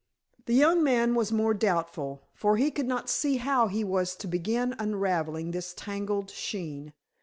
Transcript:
The young man was more doubtful, for he could not see how he was to begin unravelling this tangled skein.